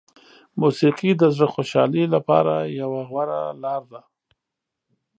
موسیقي د زړه خوشحالي لپاره یوه غوره لاره ده.